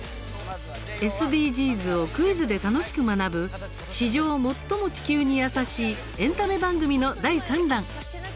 ＳＤＧｓをクイズで楽しく学ぶ史上最も地球に優しいエンタメ番組の第３弾。